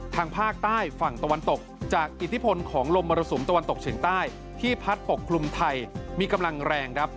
ทางภาคใต้ฝั่งตะวันตกจากอิทธิพลของลมมรสุมตะวันตกเฉียงใต้ที่พัดปกคลุมไทยมีกำลังแรงครับ